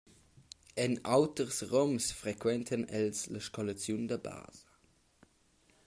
En auters roms frequentan els la scolaziun da basa.